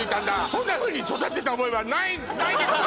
そんなふうに育てた覚えはないですよ！